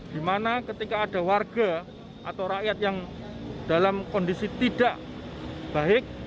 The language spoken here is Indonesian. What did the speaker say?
di mana ketika ada warga atau rakyat yang dalam kondisi tidak baik